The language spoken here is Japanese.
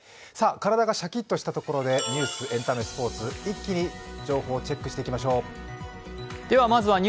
体がシャキッとしたところで、ニュース、エンタメ、スポーツ、一気に情報をチェックしていきましょう。